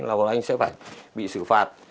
là bọn anh sẽ phải bị sử phạt